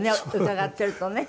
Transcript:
伺ってるとね。